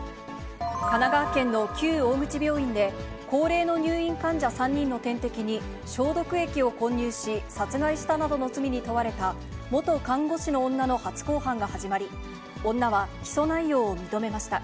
神奈川県の旧大口病院で、高齢の入院患者３人の点滴に、消毒液を混入し、殺害したなどの罪に問われた元看護師の女の初公判が始まり、女は起訴内容を認めました。